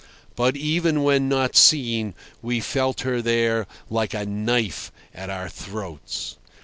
But even when not seen, we felt her there like a knife at our throats.